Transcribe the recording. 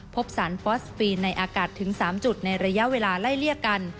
พบสารฟอสปีนในอากาศถึง๓จุดในระยะเวลาไล่เลี่ยกัน